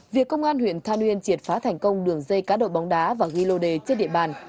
việc công an huyện than uyên triệt phá thành công đường dây cá độ bóng đá và ghi lô đề trên địa bàn